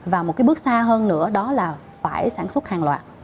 và một cái bước xa hơn nữa đó là phải sản xuất hàng loạt